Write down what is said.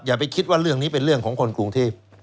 อย่าไปคิดว่าเรื่องนี้เป็นเรื่องของคนกรุงเทพ